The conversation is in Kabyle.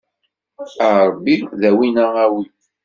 A Ṛebbi, dawi neɣ awi!